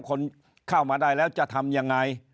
คนเข้ามาได้แล้วจะทำยังไง